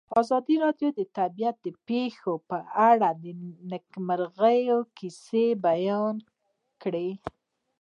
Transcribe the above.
ازادي راډیو د طبیعي پېښې په اړه د نېکمرغۍ کیسې بیان کړې.